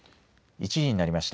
１時になりました。